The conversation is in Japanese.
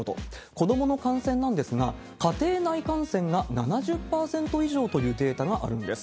子どもの感染なんですが、家庭内感染が７０％以上というデータがあるんです。